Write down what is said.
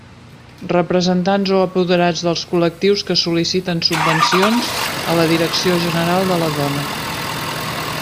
Representants o apoderats dels col·lectius que sol·liciten subvencions a la Direcció General de la Dona.